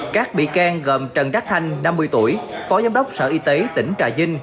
các bị can gồm trần đắc thanh năm mươi tuổi phó giám đốc sở y tế tỉnh trà vinh